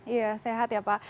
iya sehat ya pak